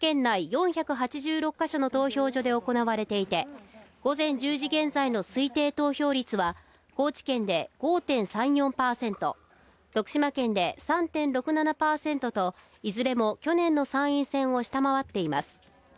４８６か所の投票所で行われていて午前１０時現在の推定投票率は高知県で５．３４％、徳島県で３．６７％といずれも去年の参院選を下回っています。